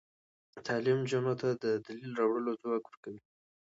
تعلیم نجونو ته د دلیل راوړلو ځواک ورکوي.